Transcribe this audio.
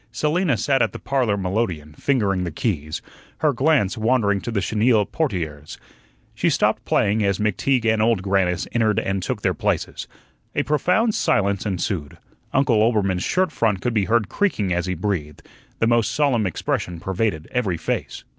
Selina sat at the parlor melodeon, fingering the keys, her glance wandering to the chenille portieres. She stopped playing as McTeague and Old Grannis entered and took their places. A profound silence ensued. Uncle Oelbermann's shirt front could be heard creaking as he breathed. The most solemn expression pervaded every face.